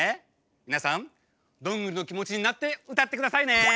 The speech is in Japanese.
みなさんどんぐりのきもちになってうたってくださいね！